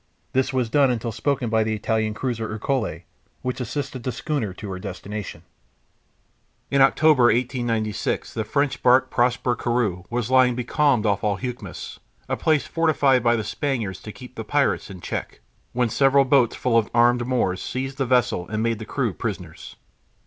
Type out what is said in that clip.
This was done until spoken by the Italian cruiser Ercole, which assisted the schooner to her destination. In October, 1896, the French barque Prosper Corue was lying becalmed off Alhucemas, a place fortified by the Spaniards to keep the pirates in check, when several boats full of armed Moors seized the vessel and made the crew prisoners.